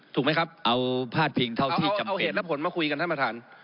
ถูกไหมครับเอาเหตุผลมาคุยกันท่านประธาน